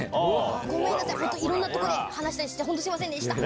ごめんなさい、本当、いろんなところで、話したりして、本当すみませんでした。